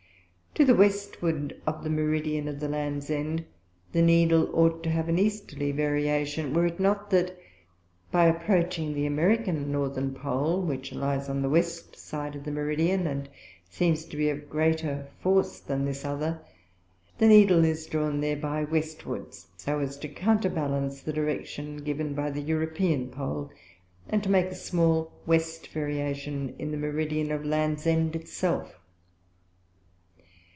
To the Westward of the Meridian of the Lands end, the Needle ought to have an Easterly Variation; were it not that (by approaching the American Northern Pole, which lies on the West side of the Meridian, and seems to be of greater force than this other) the Needle is drawn thereby Westwards, so as to counterballance the Direction given by the European Pole, and to make a small West Variation in the Meridian of the Lands end it self.